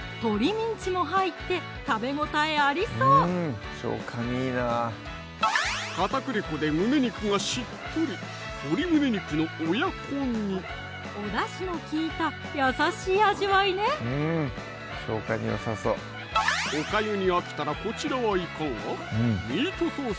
ミンチも入って食べ応えありそう片栗粉で胸肉がしっとりおだしの利いた優しい味わいねおかゆに飽きたらこちらはいかが？